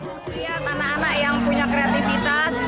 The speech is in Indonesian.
untuk melihat anak anak yang punya kreativitas